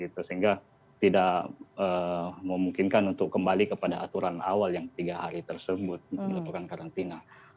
sehingga tidak memungkinkan untuk kembali kepada aturan awal yang tiga hari tersebut melakukan karantina